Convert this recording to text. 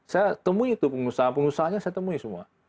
saya temui itu pengusaha pengusaha pengusaha saya temui semua